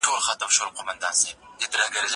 زه له سهاره کتابونه لولم؟